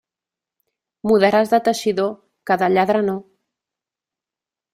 Mudaràs de teixidor, que de lladre no.